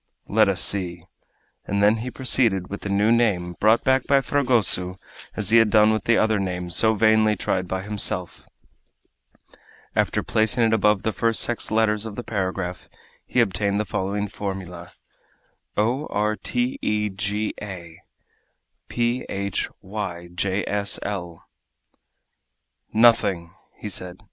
Let us see," and then he proceeded with the new name brought back by Fragoso as he had done with the other names so vainly tried by himself. After placing it above the first six letters of the paragraph he obtained the following formula: O r t e g a P h y j s l "Nothing!" he said.